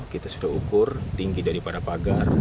kita sudah ukur tinggi daripada pagar